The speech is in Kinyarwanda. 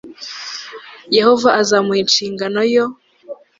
Yehova azamuha inshingano yo